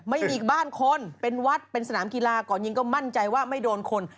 ไม่มีอีกบ้านคนเป็นวัดเป็นสนามกีฬาก่อนยิงก็มั่นใจว่าไม่โดนคน